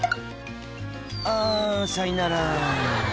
「あさいなら」